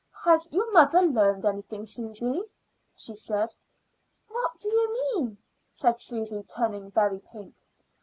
"Has your mother learned anything, Susy?" she said. "What do you mean?" said Susy, turning very pink.